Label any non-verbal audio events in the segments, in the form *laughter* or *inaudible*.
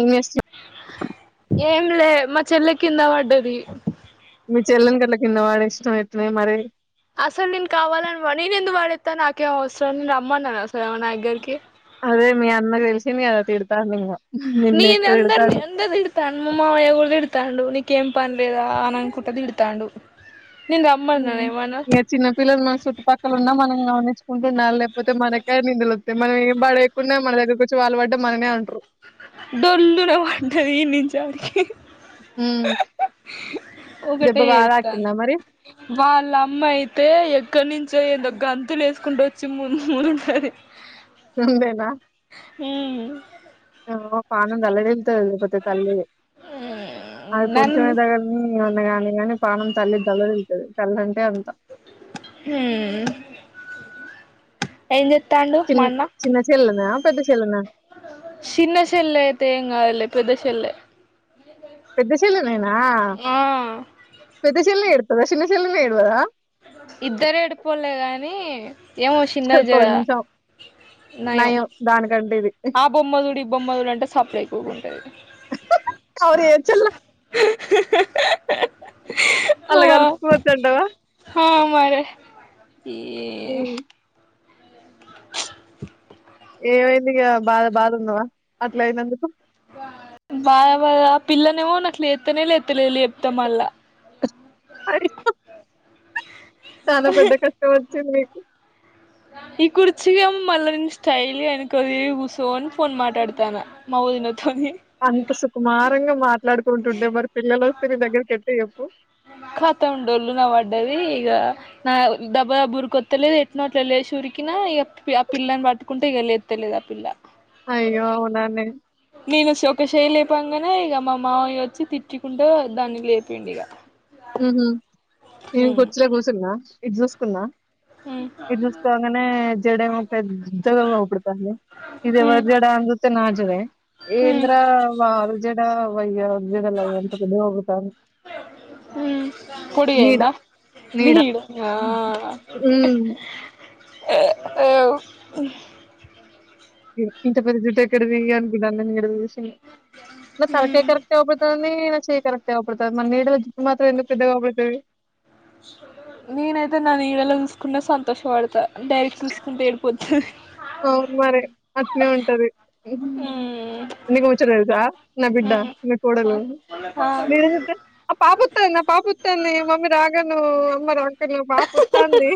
ఏం చేస్తున్నా ఏంలే మా చెల్లకి కింద పడ్డది మీ చెల్లెల్ని గట్లా కిందపడేసినావే ఇప్పుడు ఏటనే మరి అసలు నేను కావాలని పడే నేను ఎందుకు పడెస్తా నాకేం అవసరని నేను రమ్మన్నాను అసలు నా దగ్గరికి అదే మీ అన్నకు తెలిసింది గదా తిడతాడునింగా నీను అందరిని అందది తిడతాను మా మామయ్యను కూడా తిడతను తిడతాండు నీకేం పని లేదా అని అనుకుంటుది తిడతాడు ఉహు ఇంగా చిన్న పిల్లలు మన చుట్టుపక్కల ఉన్నా మనం గమని ఉంటున్నారులే పోతే మనకే ఈ నిందలు మనం ఏం పడలేకున్నా మన దగ్గరికి వచ్చి వాళ్ళు పడ్డ మననే అంటరు డొల్లున పడ్డది నిజానికి హ్మ్ దెబ్బ ఒకటే బాగా వెళ్తాను తాకిందా మరి వాళ్ళ అమ్మ అయితే ఎక్కడి నుంచి చేయితో గంతులు వేసుకుంటా వచ్చి ముందు మూందు ఉంటది సండేనా హ్మ్ ఏమ్మో పానం దలది ఇల్తది మతే తల్ది అది నన్ను కొంచమే దగ్ర ఉమ్ న్నా కాగాని గాని పానం తల్లి తలడిల్లుతది తల్ అన్ హుమ్ ఏ చెస్ చి చిన్న చెల్లదా చిన్న షాలయితే ఏం కాదు లే పెద్ద షెల్లె పెద్ద చెలనేనా ఆ పెద్ద చెల్ ఎడుతు స శినసల్నే ఏదువదా ఇద్దర ఎడిపోలే గానీ ఏమో చినాది జర కొంచెం నయం దానికంటే ఇది ఆ బొమ్మ దుడు ఈ బొమ్మ దుడు అంటే సప్ ఎ ఎక్కువగా ఉంటుంది కౌరియే చల్ల అలా కలుపుకోవచ్చంటవా ఆ మరి ఈ ఏమైంది ఇక బాధ బాధందవా అట్ల అయినందుకు బ బ పిల్లనే మో నాకు ఎతేనే లే ఎతేలే ఎప్త మల్ళ చానా పెద్ద కష్టం వచ్చింది ఈ కుర్చీ గేమో మల్ల నెను స్టైల్ గా వెనక దిరిగి కూసోని ఫోన్ మాట్లాడతన మా వదిన అంత సుకుమారంగా మాట్లాడుకుంటుండే మరి పిల్లలు వస్తే నీ దగ్గర ఎట్ట చెప్ కాాత ఉండళ్ళు నవ అడ్డది ఇగ నా దబ్బా బుర్ కొత్తలేదు ఎట్నోట్ల వెళ్ళ చూరికినా ఇక ఆ పిల్లని పట్టుకుంటే ఇక లేత్తలేదు ఆ పిల్ల అయ్యో అవునానే నేను శోక ఒక చేయి లేపా కనే ఇక మావయ్య వచ్చి తిట్టుుకుంటూ దాన్ని లేపిడు ఇక హు హు ఏం కుర్చీలో కూసున్న ఇది చూసుకున్నా ఉమ్ ఇది చూసుకోగానే జడ మో పెద్దగాబడుతుంది ఇది ఉమ్ ఎవరి జడ అని చూస్తే నా జడే ఉమ్ ఏంద్ర వ జడ వయ్య జడల వంతు కొద్ది వంగుతంది ఉమ్ పొడిగయింద నీడ నీడు ఆ హ్మ్ అ అ ఇంత పెద్ద జుట్టు అయితే ఎక్కడది అనుకున్నాను ఇడచూసీ నా తలకాయ్ ఉమ్ కరేకట్ గ ఉపుతుంది. నేని నచ్చిని కరెక్ట్ డతు మన న జి మాత్ర ఎందుకు పెద్ద కాబట్టరి నేనైతే న నీడలో చూసుకున్నా సంతోషపడతా డైరెక్ట్స్ చూసుకుంటూ ఏడిపో ఛ్చు అవున్ మరి అట్నే ఉంటది ఉమ్ ఎందుకు వచ్చాడో తెలుసా నా బిడ్డ నీ కోడలు ఉమ్ ఆ మీరు ఆ పాప త్తాందినా పాపత్తాన్ని మమ్మీ జాగను మరోట్ అంటే మీ పాప వత్తాంది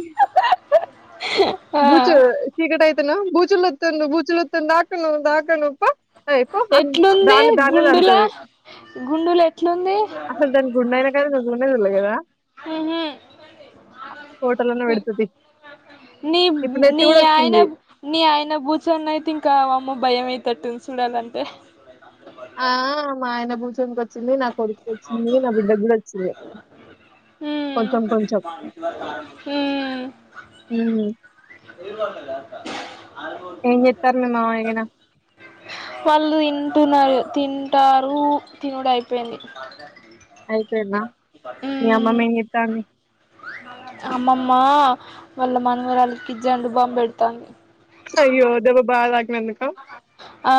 ఆ బూచో టికట అయి బూచలుతు బూచలుత్ంద హకంద హాకనప్ప ఎట్లుంది గుడులో గుండు లో ఎట్లుంది అసలు దాని గుండైనా కానీ నువ్వు చూడనే చూడలే గదా! ఫోటోలనే పెడతది. నీ ఇప్పుడు నెత్తి నీ గూడా ఆయన వచ్చింది. నీ ఆయన కూర్చొన్న అయితే ఇంకా అమ్మ భయం అవుతుట్టుంది స చూడలంటే ఆ మా ఆయన భూచం వచ్చింది నా కొడుకు వచ్చింది నా బిడ్డ కూడా వచ్చింది ఉమ్ కొంచెం కొంచెం ఉమ్ ఏం చెత్తారు మీ మాయ్య కదా వాళ్ళు తింటున్నారు తింటారు తినుడు అయి పలి ఆయిపోయిందా మీ అమ్మఅమ్మ ఏం చేత్తాంది అమ్మమ్మా వాళ్ళ మనవరాళకి జండు బామ్ పెడతాంది అయో దెబ్బ బాలగ్ నందుకా ఆ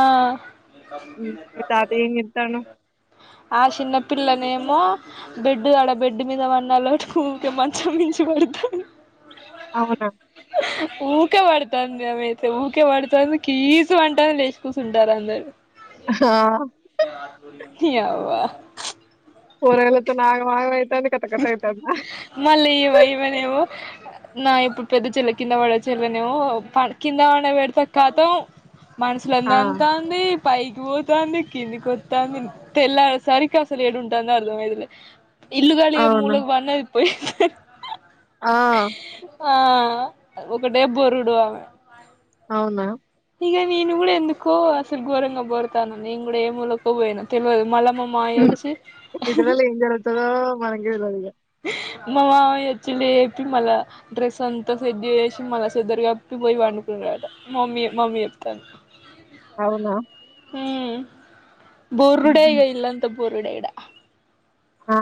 మీ తాతయ్య ఏం జేత్తాండు? ఆ చిన్నపిల్లనే ఏమో బెడ్ ఆడ బెడ్ మీద వన్నల్లోటి కే ఉకే మంచం మించి పడతాారు అవునా ఊకే పడుతంది అమె అయితే ఊకే పడుతుంది కీసు వంటను లేచి కూచుంటారు అందరు - ఆ! ఉంటే ఆదుర్యం ఇ అవా పోర ఎల త నా ఆకలై మళ్ళి ఇవఇవ దేవో నా ఇప్పుడు పెద్ద చెల్ల కింద పడే చెల్లనేవుో కింద పడి పెడతా కతం ఆ! మనుషులంతంత ఉంది పైకి పోతంది కింది వత్తంది తెల్లరేసరికి అసలు ఏడుంటందో అర్ధమైదులే ఇల్లు అవునా? మూలకు వ *unintelligible* పోయి సిక్ ఆ ఆ ఒకటే బొరుడు ఆమె అవునా ఇక నేను కూడా ఎందుకో అసలు ఘోరంగా పోడతాను నేను కూడా ఏముూలకో పోయినా తెలియదు మళ్ళా మా మావయ్య ఈ వచ్చి పిల్లల్లో ఎం చదువుతారో మనకే తెల్వదు ఇగ మా మామయ్య వచ్చింద్ చెప్పి మల్ల డ్రెస్ అంతా సెడ్ చేసి మళ్ళ చెద్దరు కప్పి పోయి పండుకున్నారుట మమ్మీ మా మమ్మీ చెప్తంద్ద్ అవునా హు బోరుడే హుహు. ఇక ఇల్ అంత బోరుడే ఈడ ఆ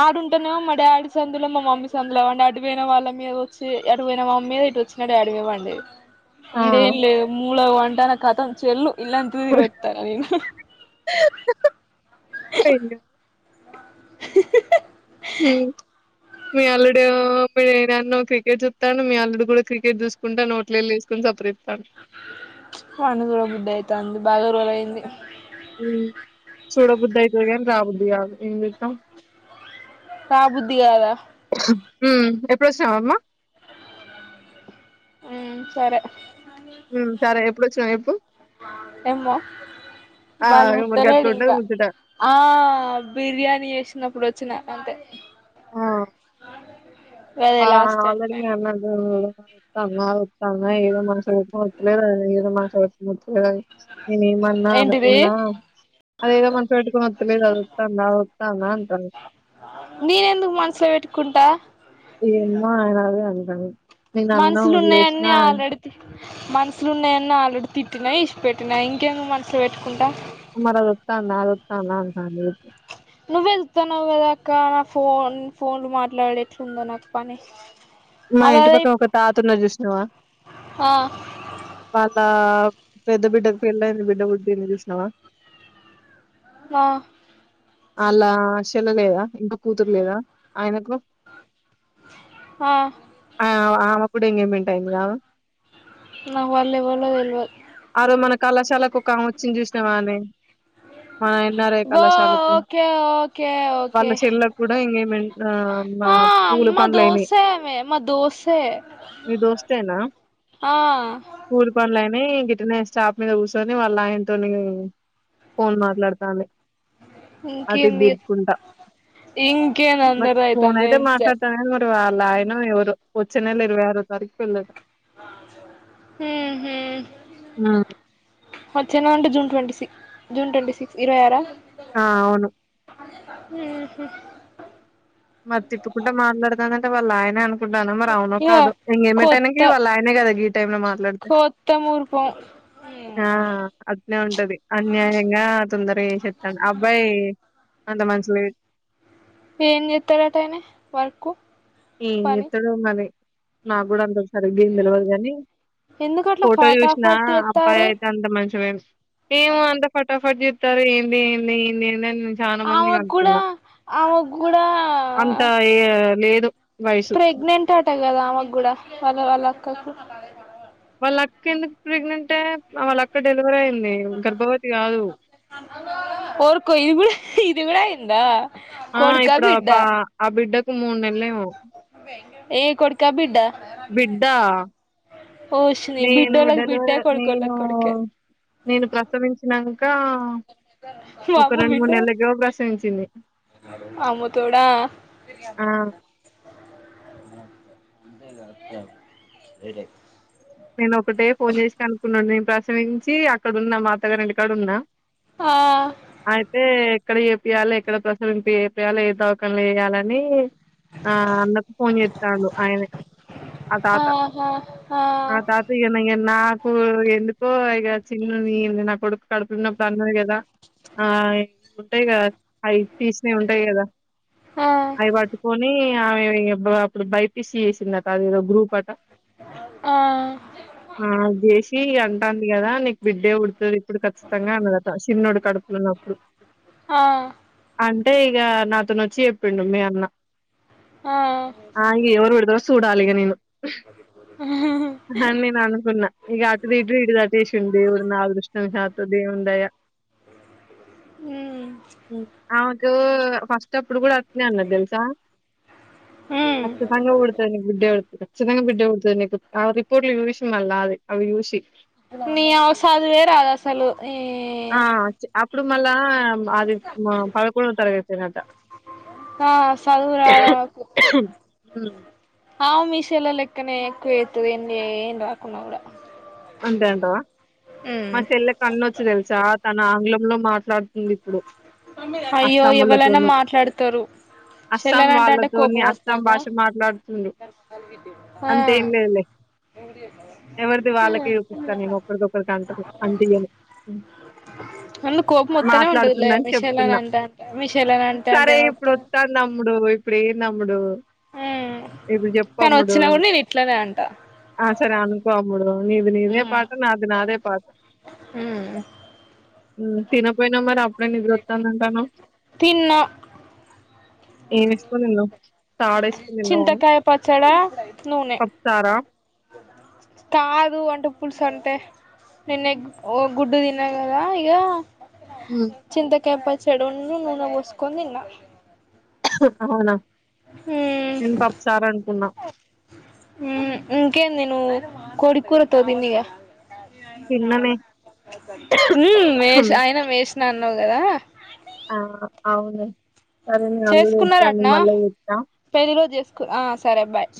అడుంటేనేమో మా డాడీ సందులో మా మమ్మీ సందులో పండబెట్టి పోయిన వాళ్ళ మీద వచ్చి ఎటు పోయిన మా మమ్మీ మీద ఇటు వచ్చినా డాడీ మీద పడే ఆ! ఈడేం లేదు ములగ్ పా ఉంటాన కతం చెల్ ఇల్లంతా తిరిగొత్తా నేను అయ్యో! హి హి హి హి ఉమ్ మీ అల్లుడో మీ నాన్నో క్రికెట్ చుత్తాండు మీ అల్లుడు కూడా క్రికెట్ చూసుకుంటా నోట్లో ఏళ్ళు ఏసుకోని సపరిత్తాడు పనుకో బుద్ధయితాంది బాగా రోలయింది ఉ చూడబద్దయితది కానీ రాబుద్ది కాదు ఏం చెత్తం రాబుద్ధి కాదా ఉ ఎప్పుడొచ్చినావు అమ్మా ఉ సరే ఉ సరే ఎప్పుడొచ్చినావు చెప్పు ఏమో ఆ! వాళ్ళు ఇగ మరి పుట్టలేడు గట్లుంటది ఇంకా ముచ్చట. ఆ బిర్యానీ చేసినప్పుడు వచ్చిన అంతే ఆ గదే ఆ లాస్ట్ టైం ఆల్రడి ఫైనల్ అన్నాను *inaudible* ఆ ఏదో మనసులో పెట్టుకొని వత్తాలేదు అది ఏదో మనసులో పెట్టుకొని ఉ నేను ఏమన్నా ఏంటిది అనుకున్నా అదేదో మన పెట్టుకొని వత్తలేదు అది వత్తాందా వత్తాందా అంటన్నా నేనెందుకు మనసులో పెట్టుకుంటా ఇమ్మా ఆయన అదే *unintelligible* మనుషులు ఉన్నాయన్నీ వదిలేసినా, ఆల్రెడీ తీ మనుసులున్నాయన్న ఆల్రెడీ తిట్టినా ఇసిపెట్టినా ఇంకేమి మనసులో పెట్టుకుంటా మరి అది వత్తందా అది వత్తాందా అంటాను నువ్వు ఎళ్తున్నావు కదా అక్కా ఫోన్ ఫోన్లు మాట్లాడేట్లుందో నాకు పని మా ఇంటి అదదే పక్క ఒక తాత ఉన్న చూసినావా ఆ వాళ్ళ పెద్ద బిడ్డకి పెళ్ళయింది బిడ్డ పుట్టింది చూసినావా ఆ అలా చెల్లలేదా ఇంకా కూతురు లేదా ఆయనకు ఆ ఆ ఆమె కూడా ఎంగేజ్మెంట్ అయ్యింది కాద నాకు వాళ్ళు ఎవ్వళ్లో తెల్వదు దిన్ని చూసినావనే ఓ ఓకే ఓకే ఓకే మ ఆ మా ఆ పూల మా పండ్ల అయిని దోసే ఆమె మా దోసే మీ దోస్త అయినా ఆ పూలి పండ్ల అయినా న వెనే స్టాఫ మీద కూర్చొని వాళ్ళ ఆయనతోని ఫోన్ మాట్లాడతాని ఇంకేంది అటిద్దకుంట ఇంకేంది మ అందరిది అయితాంది ఫోనయితే మాట్ా ఎంజాయ్ మ ఎ ఆయన వచ్చ నేల ఇవై ఆరు తారీకుకి వెళ్ళద ఉహు ఆ వచ్చేంద అంటే June twenty six June twenty six ఇరవై ఆరా ఆ అవును స మరి తీపుకుంటా మాట్లాడుతుంది గా వాళ్ళ అయిననే అనుకుంట అనుకుంటున్న మరి అవునో ఇగ కాదో ఎంగేజ్మెంట్ అయిననక కొత్త ఈగ వాళ్ళ అయిననే గా టై లో మాట్లాడితే కొత్త మురిపం ఆ అట్నే ఉంటది అన్యాయంగా తొందర చెప్తాను అబ్బాయి అంత మనసుల ఏం చెస్తారటయన వర్క్ ఏం చేస్తాడో మరి నా గుడంద అరిగి తెలవదు కాని ఎందుకు అట్లా ఫోటో చూసినా ఫటాఫట్ అబ్బాయి చేత్తారు అయితే అంత మంచిమే ఏమో, అంత ఫటాఫట్ చెప్తారు. ఏంది ఏంది ఏంది ఏంది అని చాలా మందిని ఆమెకు కూడా కనుక్కున్నా, ఆమెకు కూడా అంత లేదు వయసు. ప్రెగ్నెంట్ ఆటగా కదా, ఆమె కూడా వాళ్ల వాళ్ల అక్కకు. వాళ్ల అక్క ఎందుకు ప్రెగ్నెంట్ అయి వాళ్ల అక్క డెలివ ఎప్పుడు అయింది గర్భవతి కాదు దిగుడు అయిందా ఆ కొడుకా ఇప్పుడు ఆ బిడ్డ పా ఆ బిడ్డకు మూడు నెలలు ఏమో ఏయ్ కొడుకా బిడ్డ బిడ్డా ఓషిని నేను బిడ్డోళ్ళకి బిడ్డే డెలివర్ నేను కొడుకోళ్ళకి కొడుకే నేను ప్రసవించినంకా ఒక రెండు మూడు నెలలు లేగా బస్ వించింది అమ్మతోడా ఆ అంటే ఏడే నేను ఒకటే ఫోన్ చేసి అనుకున్నాండి ప్రసనిించి అక్కడున్నా మాతగారుంంటి కాడ ఉన్నా ఆ అయితే ఎక్కడ ఏపియాలి ఎక్కడ ప్రసం ఇం ఏపయాలి ఏ దోకన్లు వేయాలిని ఆ అన్నక ఫోన్ చెతా అయన అ తాత ఆహా ఆ తాతగా నే నాకు ఎందుకో ఇక చిన్న న నా కొడుకు కడుపులున్నప్పుడు అన్నది కదా ఆ ఉంటాయి కదా అవి తీసినవి ఉంటాయి కదా ఆ అవి పట్టుకొని ఆమె అప్పుడు బైపీస చేసిందట అది ఏదో గ్రూప్ అట ఆ ఆ జష్ అంటాంది కదా నీకు బిడ్డే ఉడుతుంది ఇప్పుడు ఖచ్చితంగా అనదట చిరున్నడు కడుపులు ఉన్నప్పుడు ఆ అ అంటే ఇక నాతోనుొచ్చి చెప్పిండు మీ అన్న ఆ చూడాలిగా నను హ నేను అనుకున్నా ఈ ఆటు దిడ్రు హిద దాటేష ఉండి ఇఊడు నా అ దృష్ట శాతవ దే ఉందయా మ్ అవు ఫస్ట్ అప్పుడు కూడా అన్న తెలుసా మ్ అ సంంగ ఊడతా బుడ్ధ వెతు ససంగా బడ్డ ఉతుందినే ఆ రిపోర్ట్ లో ూషిల్ అది అ యూషి నీ అవ సదువే రాదు అసలు ఈ ఆ చె అ ఇప్పుడు మళ్ళా ఆ అది పదకొండో తరగతేనట ఆ చదువు రాదామెకు ఊ ఆ మీషోల లెక్కనే ఎక్కువ అవుతుది ఏం ఏన్ రాకున్నా కూడా ఉందంటవ మా చెల్ల కన్నొచ్చు తెలుసా తన ఆంగ్ల లో మాట్లాడుతుంది ఇప్పుడు అయ్యో ఎవరైనా అస్సాములతోని మాట్లాడతారు అస్సాం చెల్లెనంటాంటే వాళ్ళతోని కోపం అస్సాం వస్తాంద భాష మాట్లాడుతుండు ఆ అంతేం లేదులే ఎవరిది వాళ్ళకే చూపిస్తాను నేను ఒకరికొకరికి అంట అంటే నేను అందుకు కోపం వత్తనే ఉంటదిలే మాట్లాడుతుందని మీ చెల్లెని చెప్తున్నా అంటే అంటే మీ చెల్లెని అంటే సరే అంటేనే ఇప్పుడు వత్తాంది వత్తాను తమ్ముడు ఇప్పుడు నమ్డు ఉమ్ ఇప్పుడు కానీ చెప్పమ్ముడు వచ్చినా కూడా నేను ఇట్లనే అంటా ఆ సరే అనుకోఅమ్మడు నీది నీదే పాట నాది నాదే పాట ఉమ్ చిన్నపోయిన మ ఇప్పుడే నిద్ర వత్తాందంటాను తిన్నా ఏమేసుకోనులో చింతకాయ పచ్చడా నూనె పప్పుచారా కాదు అంటే పులుసు అంటే నిన్న ఎగ్ గుడ్డు తిన్నా కదా ఇగ చింతకాయ ప చెడును నూనె పోస్కొని తిన్న అవునా ఊ నేను పప్పుచారు అనుకున్నా ఊ ఇంకేంది నువ్వు కోడి కూర తో తిందిగా తిన్ననే ఊ మే ఆయన మేస్ ఇట్లా అన్నావు కదా ఆ అవును సరే నేను అల్లుడు తెస్తాను చేసుకున్నారటనా మళ్ళా చేస్తా పెళ్ళి లో చేసుకు సరే బాయ్